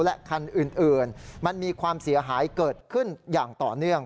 และคันอื่นมันมีความเสียหายเกิดขึ้นอย่างต่อเนื่อง